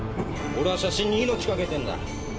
俺は写真に命賭けてんだ。